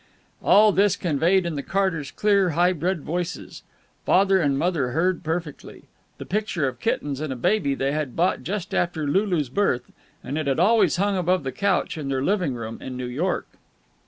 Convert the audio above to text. All this, conveyed in the Carters' clear, high bred voices, Father and Mother heard perfectly.... The picture of kittens and a baby they had bought just after Lulu's birth, and it had always hung above the couch in their living room in New York.